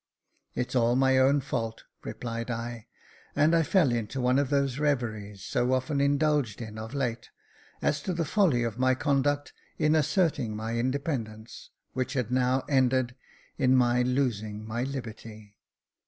" It's ail my own fault," replied I ; and I fell into one of those reveries so often indulged in of late, as to the folly of my conduct in asserting my independence, which had now ended in my losing my liberty.